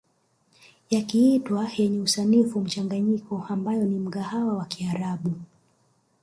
Yakiitwa yenye usanifu mchanganyiko ambayo ni mgahawa wa kiarabu